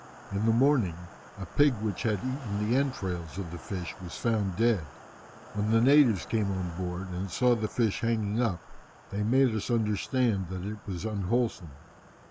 In the morning, a pig which had eaten the entrails of the fish was found dead. When the natives came on board, and saw the fish hanging up, they made us understand that it was unwholesome.